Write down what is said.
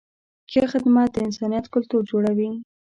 ښه خدمت د انسانیت کلتور جوړوي.